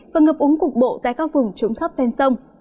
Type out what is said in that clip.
và ngập úng cục bộ tại các vùng trũng thấp ven sông